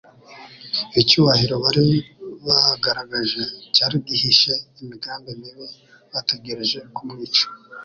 Icyubahiro bari bagaragaje cyari gihishe imigambi mibi bategereje kumwicisha.